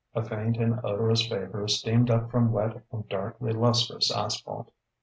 A faint and odorous vapour steamed up from wet and darkly lustrous asphalt.